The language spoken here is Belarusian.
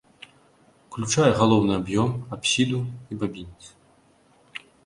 Уключае галоўны аб'ём, апсіду і бабінец.